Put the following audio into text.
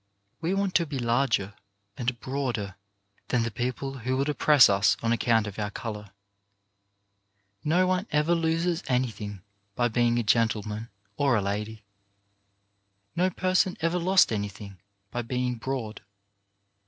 We want to be larger and broader than the people who would oppress us on account of our colour. No one ever loses anything by being a LAST WORDS 291 gentleman or a lady. No person ever lost anything by being broad.